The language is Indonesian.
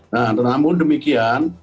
nah namun demikian